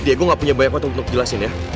diego gak punya banyak waktu untuk jelasin ya